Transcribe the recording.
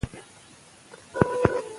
ښوونکی ماشومانو ته لارښوونه کوي.